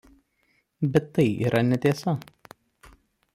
Bet tai yra netiesa.